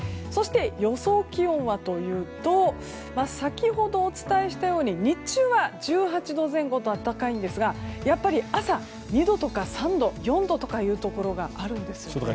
そして、予想気温はというと先ほどお伝えしたように日中は１８度前後と暖かいんですがやっぱり朝、２度とか３度４度とかいうところがあるんですね。